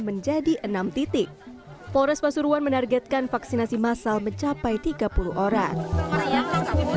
menjadi enam titik polres pasuruan menargetkan vaksinasi massal mencapai tiga puluh orang sedang